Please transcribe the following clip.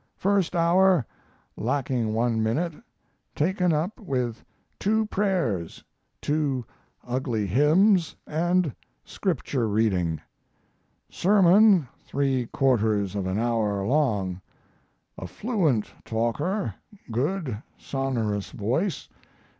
First hour, lacking one minute, taken up with two prayers, two ugly hymns, and Scripture reading. Sermon three quarters of an hour long. A fluent talker, good, sonorous voice.